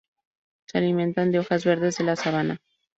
Se alimentan de hojas verdes de la sabana.